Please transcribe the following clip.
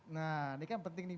nah ini kan penting nih